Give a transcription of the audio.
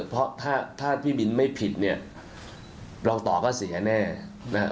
เพราะถ้าถ้าพี่บินไม่ผิดเนี่ยเราต่อก็เสียแน่นะครับ